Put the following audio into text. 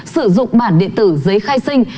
sử dụng bản điện tử giấy khai sinh